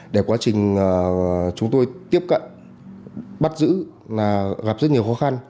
để quá trình chúng tôi tiếp cận bắt giữ là gặp rất nhiều khó khăn